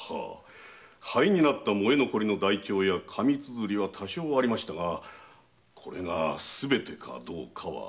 灰になった燃え残りの台帳などは多少ありましたがそれがすべてかどうかは。